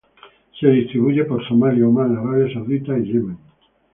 Se distribuye por Somalia, Omán, arabia Saudita y Yemen.